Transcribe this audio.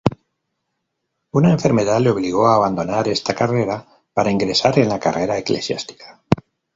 Una enfermedad le obligó a abandonar esta carrera para ingresar en la carrera eclesiástica.